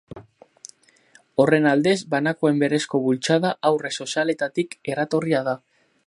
Horren aldez banakoen berezko bultzada aurre-sozialetatik eratorria da.